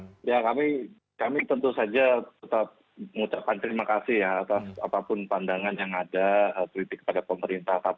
ya kami tentu saja tetap mengucapkan terima kasih ya atas apapun pandangan yang ada kritik pada pemerintah